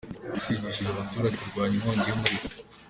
Polisi yigishije abaturage kurwanya inkongi y’umuriro